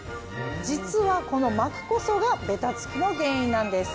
実はこの膜こそがベタつきの原因なんです。